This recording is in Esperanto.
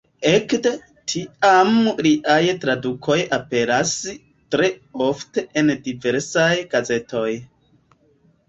Ekde tiam liaj tradukoj aperas tre ofte en diversaj gazetoj.